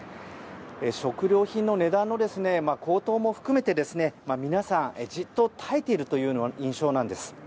食料品の値段の高騰も含めて皆さん、じっと耐えているという印象なんです。